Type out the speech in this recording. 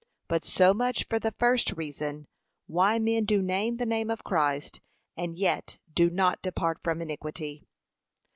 But so much for the first reason, why men do name the name of Christ and yet do not depart from iniquity.